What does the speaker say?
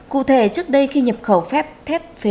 cụ thể trước đây khi nhập khẩu phép thép phế liệu